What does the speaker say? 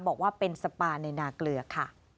บอกว่าเป็นสปาในนาเกลือค่ะ